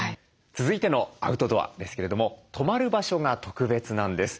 続いてのアウトドアですけれども泊まる場所が特別なんです。